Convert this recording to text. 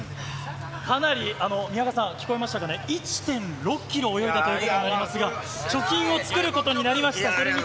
かなり宮川さん、聞こえましたかね、１．６キロ泳いだということになりますが、貯金を作ることになりました。